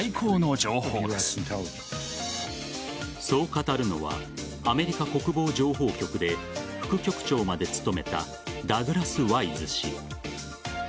そう語るのはアメリカ国防情報局で副局長まで務めたダグラス・ワイズ氏。